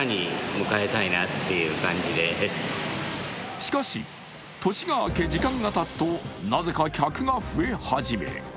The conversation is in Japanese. しかし、年が明け時間がたつとなぜか客が増え始め